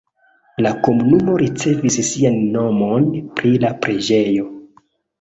La komunumo ricevis sian nomon pri la preĝejo.